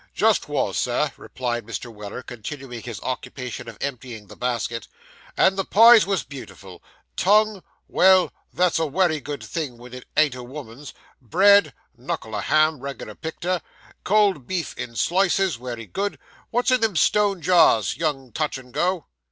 'Just was, sir,' replied Mr. Weller, continuing his occupation of emptying the basket, 'and the pies was beautiful. Tongue , well that's a wery good thing when it ain't a woman's. Bread knuckle o' ham, reg'lar picter cold beef in slices, wery good. What's in them stone jars, young touch and go?